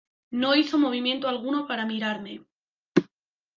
No hizo movimiento alguno para mirarme.